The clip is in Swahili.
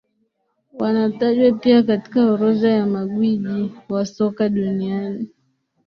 wanatajwa pia katika orodha ya magwiji wa soka dunaini